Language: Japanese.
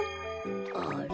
あれ？